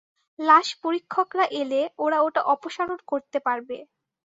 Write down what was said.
লাশ পরীক্ষকরা এলে ওরা ওটা অপসারণ করতে পারবে।